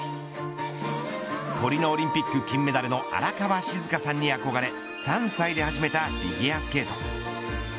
トリノオリンピック金メダルの荒川静香さんに憧れ３歳で始めたフィギュアスケート。